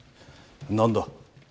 何だ？